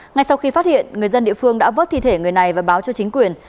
ngay sau khi phát hiện người dân địa phương đã vớt thi thể người này và báo cho chính quyền